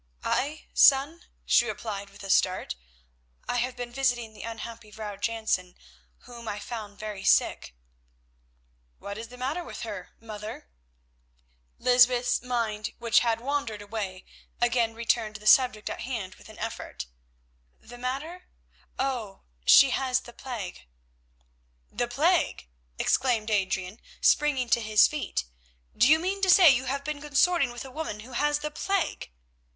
"I, son?" she replied with a start, "I have been visiting the unhappy Vrouw Jansen, whom I found very sick." "What is the matter with her, mother?" Lysbeth's mind, which had wandered away, again returned to the subject at hand with an effort. "The matter? Oh! she has the plague." "The plague!" exclaimed Adrian, springing to his feet, "do you mean to say you have been consorting with a woman who has the plague?"